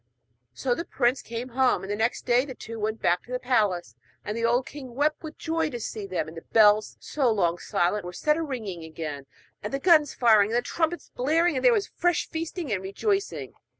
So the prince came home; and the next day they two went back to the palace, and the old king wept with joy to see them. And the bells, so long silent, were set a ringing again, and the guns firing, and the trumpets blaring, and there was fresh feasting and rejoicing.